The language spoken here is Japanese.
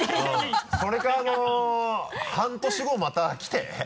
それか半年後また来て。